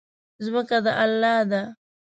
ځمکه د الله ده.